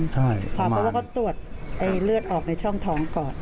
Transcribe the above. พ่อพ่อก็ตรวจไอ้เลือดออกในช่องท้องก่อน